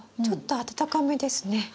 ちょっとあたたかめですね。